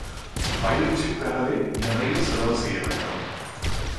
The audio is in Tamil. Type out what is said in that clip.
பயிற்சி பெறவே நிறைய செலவு செய்ய வேண்டும்.